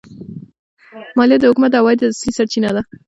مالیه د حکومت د عوایدو اصلي سرچینه ده.